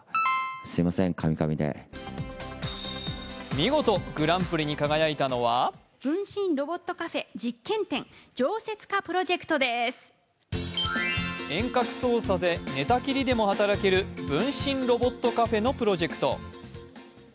見事グランプリに輝いたのは遠隔操作で寝たきりでも働ける分身ロボットカフェのプロジェクト。